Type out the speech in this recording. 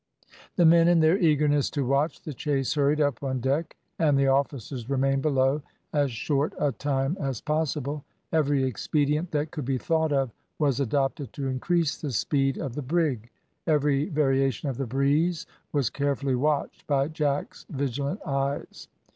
The men in their eagerness to watch the chase hurried up on deck, and the officers remained below as short a time as possible. Every expedient that could be thought of was adopted to increase the speed of the brig. Every variation of the breeze was carefully watched by Jack's vigilant eyes.